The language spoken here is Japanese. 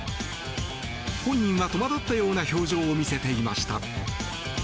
本人は戸惑ったような表情を見せていました。